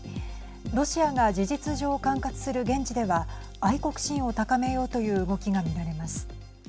ロシアが事実上管轄する現地では愛国心を高めようという動きが見られます。